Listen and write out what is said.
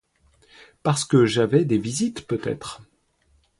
Parce que j'avais des visites peut-être!